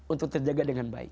untuk terjaga dengan baik